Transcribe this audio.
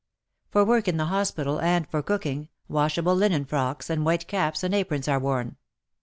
For work in the hospital and for cooking, washable linen frocks and white caps and aprons are worn.